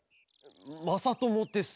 まさともです。